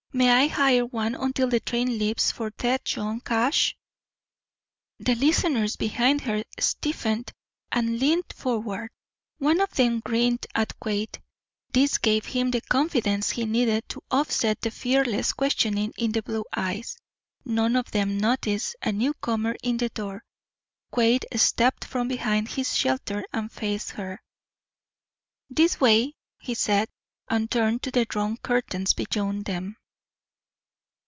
"May I hire one until the train leaves for Tête Jaune Cache?" The listeners behind her stiffened and leaned forward. One of them grinned at Quade. This gave him the confidence he needed to offset the fearless questioning in the blue eyes. None of them noticed a newcomer in the door. Quade stepped from behind his shelter and faced her. "This way," he said, and turned to the drawn curtains beyond them.